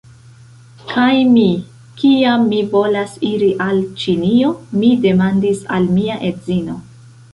Kaj mi, kiam mi volas iri al Ĉinio, mi demandis al mia edzino: